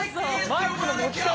「マイクの持ち方！」